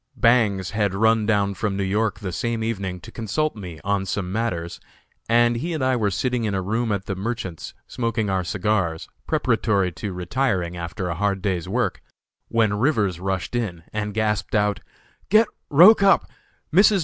Bangs had run down from New York the same evening to consult me on some matters, and he and I were sitting in a room at the Merchants', smoking our cigars, preparatory to retiring after a hard day's work, when Rivers rushed in, and gasped out: "Get Roch up. Mrs.